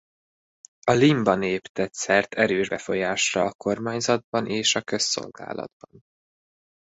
A limba nép tett szert erős befolyásra a kormányzatban és a közszolgálatban.